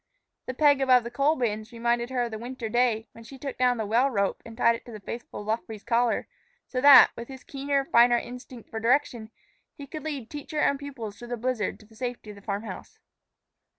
The peg above the coal bins reminded her of the winter day when she took down the well rope and tied it to the faithful Luffree's collar, so that, with his keener, finer instinct for direction, he could lead teacher and pupils through a blizzard to the safety of the farm house.